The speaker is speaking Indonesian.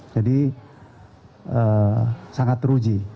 jadi sangat teruji